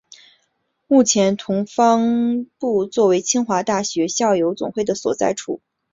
目前同方部作为清华大学校友总会的所在处。